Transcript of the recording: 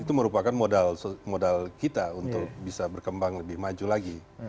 itu merupakan modal kita untuk bisa berkembang lebih maju lagi